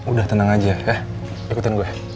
udah tenang aja eh ikutin gue